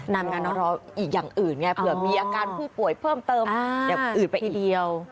นำงานรอดอีกอย่างอื่นไงเผื่อมีอาการผู้ป่วยเติมเดี๋ยวอื่นไปอีกเดียว